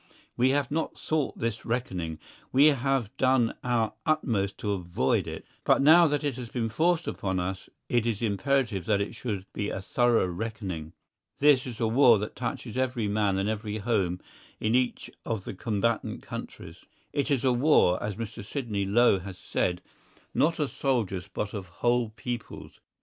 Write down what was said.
We have not sought this reckoning, we have done our utmost to avoid it; but now that it has been forced upon us it is imperative that it should be a thorough reckoning. This is a war that touches every man and every home in each of the combatant countries. It is a war, as Mr. Sidney Low has said, not of soldiers but of whole peoples.